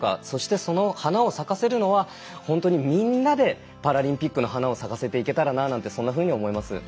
そして、その花を咲かせるのはみんなでパラリンピックの花を咲かせていけたらななんてそんなふうに思います。